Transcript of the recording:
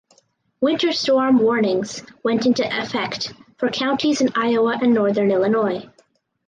Winter Storm Warnings went into effect for counties in Iowa and northern Illinois.